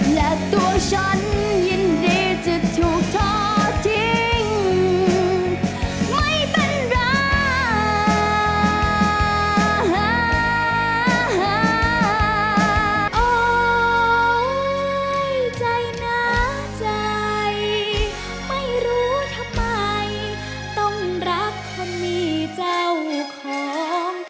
ไม่รู้ทำไมต้องรักคนมีเจ้าของ